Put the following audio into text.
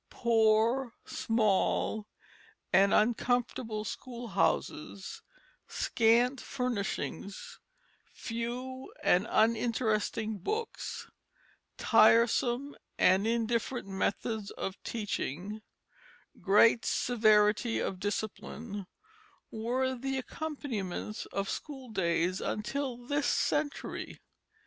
Poor, small, and uncomfortable schoolhouses, scant furnishings, few and uninteresting books, tiresome and indifferent methods of teaching, great severity of discipline, were the accompaniments of school days until this century.